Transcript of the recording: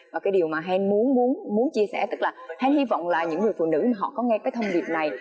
và cái điều mà hen muốn chia sẻ tức là hen hy vọng là những người phụ nữ họ có nghe cái thông điệp này